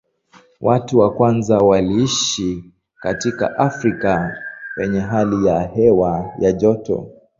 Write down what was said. Watu wa kwanza waliishi katika Afrika penye hali ya hewa ya joto.